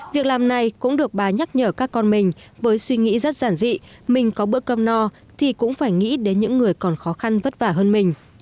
việc làm này cũng được bà nhắc nhở các con mình với suy nghĩ rất giản dị mình có bữa cơm no thì cũng phải nghĩ đến những người còn khó khăn vất vả hơn mình